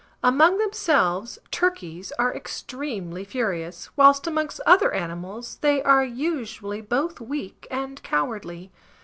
Among themselves, turkeys are extremely furious, whilst amongst other animals they are usually both weak and cowardly.